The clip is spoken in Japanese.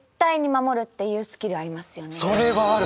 それはある！